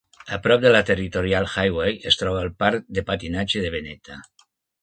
A prop de la Territorial Highway es troba el parc de patinatge de Veneta.